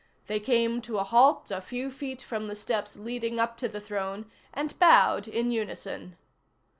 They came to a halt a few feet from the steps leading up to the throne, and bowed in unison.